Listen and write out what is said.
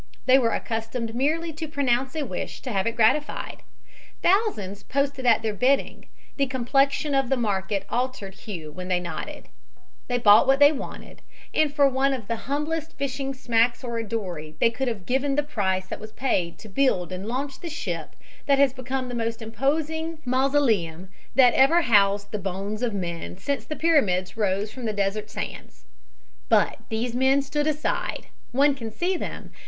They were accustomed merely to pronounce a wish to have it gratified. Thousands "posted at their bidding"; the complexion of the market altered hue when they nodded; they bought what they wanted, and for one of the humblest fishing smacks or a dory they could have given the price that was paid to build and launch the ship that has become the most imposing mausoleum that ever housed the bones of men since the Pyramids rose from the desert sands. But these men stood aside one can see them!